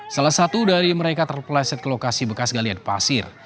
salah satu dari mereka terpleset ke lokasi bekas galian pasir